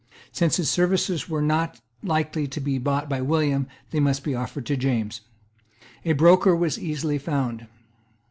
Since his services were not likely to be bought by William, they must be offered to James. A broker was easily found.